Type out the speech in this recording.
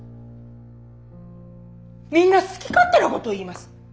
みんな好き勝手なことを言います。